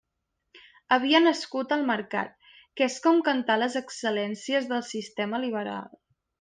Havia nascut el mercat, que és com cantar les excel·lències del sistema liberal.